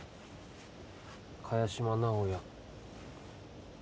萱島直哉